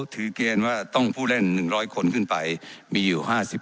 เจ้าหน้าที่ของรัฐมันก็เป็นผู้ใต้มิชชาท่านนมตรี